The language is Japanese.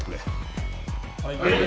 はい。